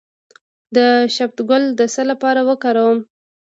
د شبت ګل د څه لپاره وکاروم؟